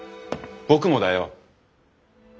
僕もだよ！